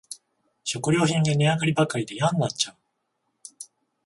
食料品が値上がりばかりでやんなっちゃう